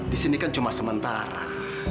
disini kan cuma sementara